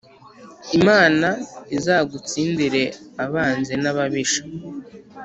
imana izagutsindire abanzi nababisha"